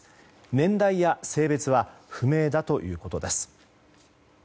年代や性別は不明だということです。